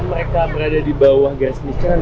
mereka berada di bawah garis michter